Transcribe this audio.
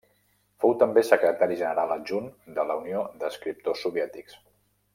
Fou també Secretari General Adjunt de la Unió d'Escriptors Soviètics.